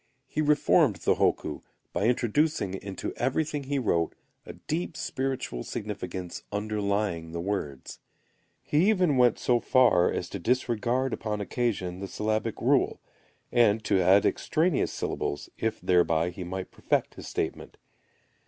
He reformed the hokku, by introducing into everything he wrote a deep spiritual significance underlying the words. He even went so far as to disregard upon occasion the syllabic rule, and to add extraneous syllables, if thereby he might perfect his statement.